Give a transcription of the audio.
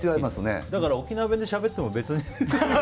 だから沖縄弁でしゃべってても別に。